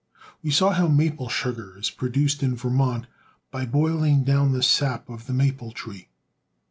We saw how maple sugar is produced in Ver mont by boihng down the sap of the maple tree.